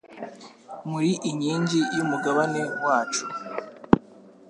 Muri inkingi y'umugabane wacu